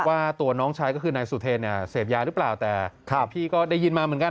ว่าตัวน้องชายก็คือนายสุเทรฯเสพยาด้วยยาก็ได้มาหน้า